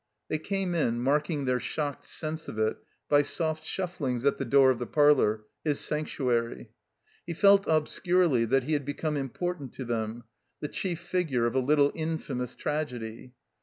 They came in, marking their shocked sense of it by soft shufflings at the door of the parlor, his sanc tuary. He felt obscurely that he had become im portant to them, the chief figure of a little infamous tragedy.